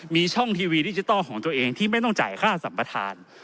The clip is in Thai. มีช่องทีวีดิจิทัลของตัวเองที่ไม่ต้องจ่ายค่าสัมปทาน